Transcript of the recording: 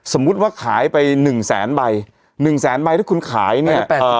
สมมุติว่าขายไปหนึ่งแสนใบหนึ่งแสนใบที่คุณขายเนี่ย